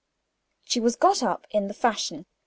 She was got up in the fashion.